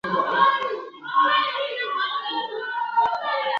Kabla ya Uhuru sawasawana Baada ya UhuruAfrika yenye utu na heshima yake bado